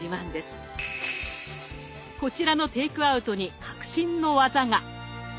こちらのテイクアウトに革新の技が！